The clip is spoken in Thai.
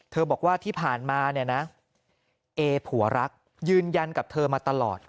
บอกว่าที่ผ่านมาเนี่ยนะเอผัวรักยืนยันกับเธอมาตลอด